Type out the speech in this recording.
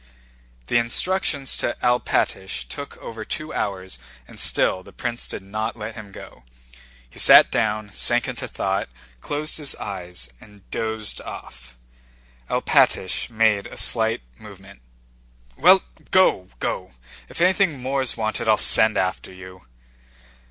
The instructions to Alpátych took over two hours and still the prince did not let him go. He sat down, sank into thought, closed his eyes, and dozed off. Alpátych made a slight movement. "Well, go, go! If anything more is wanted I'll send after you."